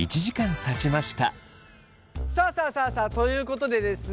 さあさあさあさあということでですね